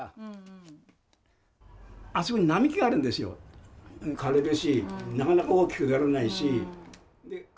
あそこに並木があるんですよ、枯れるし、なかなか大きくならないし。